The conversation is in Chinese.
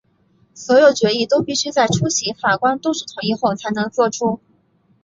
所有决议都必须在出席法官多数同意后才能做出。